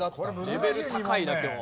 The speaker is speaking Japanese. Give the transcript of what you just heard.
レベル高いな今日。